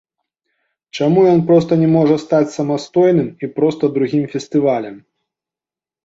Чаму ён проста не можа стаць самастойным, і проста другім фестывалем?